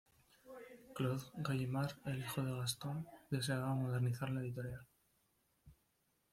Claude Gallimard, el hijo de Gaston, deseaba modernizar la editorial.